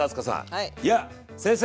いや先生！